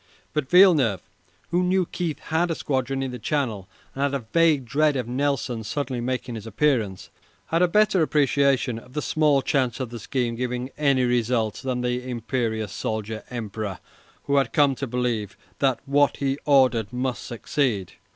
But Villeneuve, who knew Keith had a squadron in the Channel, and had a vague dread of Nelson suddenly making his appearance, had a better appreciation of the small chance of the scheme giving any result than the imperious soldier Emperor, who had come to believe that what he ordered must succeed.